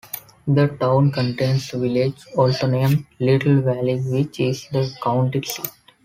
The town contains a village also named Little Valley, which is the county seat.